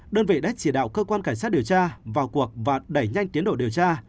đơn vị đã chỉ đạo cơ quan cảnh sát điều tra vào cuộc và đẩy nhanh tiến độ điều tra